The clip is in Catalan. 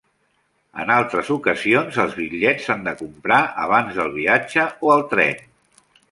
En altres ocasions, els bitllets s'han de comprar abans del viatge o al tren.